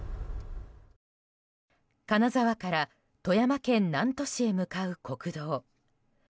金沢から富山県南砺市へ向かう国道。